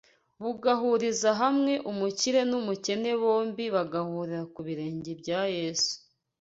bugahuriza hamwe umukire n’umukene bombi bagahurira ku birenge bya Yesu.